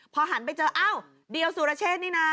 พอหันไปเจออ้าวเดียวสุรเชษนี่นะ